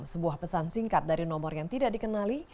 sebuah pesan singkat dari nomor yang tidak dikenali